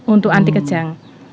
untuk anti kejang